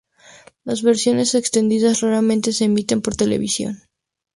Las versiones extendidas raramente se emiten por televisión.